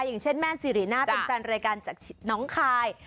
อย่างเช่นแม่สิริน่าเป็นแฟนรายการจากน้องคาย